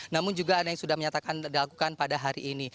namun juga ada yang sudah menyatakan dilakukan pada hari ini